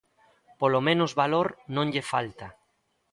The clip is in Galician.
¡Polo menos valor non lle falta!